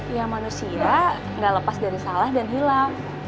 ya manusia gak lepas dari salah dan hilang